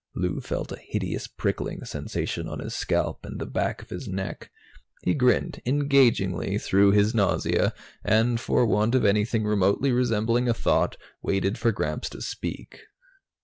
Lou felt a hideous prickling sensation on his scalp and the back of his neck. He grinned engagingly through his nausea and, for want of anything remotely resembling a thought, waited for Gramps to speak.